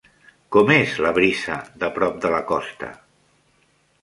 Com és la brisa de prop de la costa?